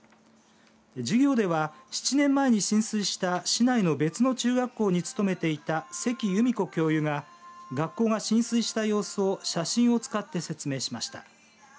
授業では、７年前に浸水した市内の別の中学校に勤めていた関由美子教諭が学校が浸水した様子を写真を使って説明しました。